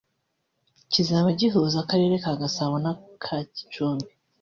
kizaba gihuza Akarere ka Gasabo n’aka Gicumbi